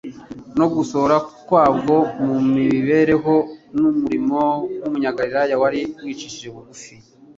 no gusohora kwabwo mu mibereho n'umurimo w'Umunyagalilaya wari wicishije bugufi.